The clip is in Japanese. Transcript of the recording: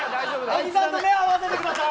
小木さんと目を合わせてください。